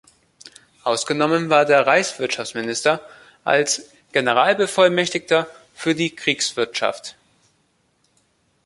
Ausgenommen war der Reichswirtschaftsminister als "Generalbevollmächtigter für die Kriegswirtschaft".